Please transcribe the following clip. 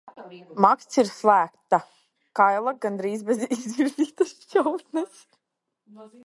Maksts ir slēgta, kaila, gandrīz bez izvirzītas šķautnes.